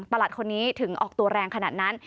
หลัดคนนี้ถึงออกตัวแรงขนาดนั้น